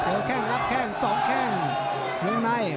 เอ๋ยแข่งลับแข่งส่องแข่งงั้นใน